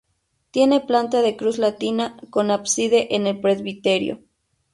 Tiene planta de cruz latina, con ábside en el presbiterio.